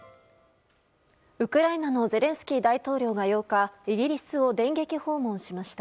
ウクライナのゼレンスキー大統領が８日イギリスを電撃訪問しました。